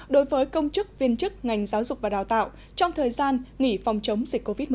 đối với công chức viên chức ngành giáo dục và đào tạo trong thời gian nghỉ phòng chống dịch covid một mươi